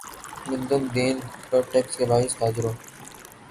لین دین پر ٹیکس کے باعث تاجروں